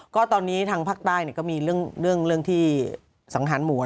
ก็ตอนนี้ทางภาคใต้ก็มีเรื่องที่สังหารหวน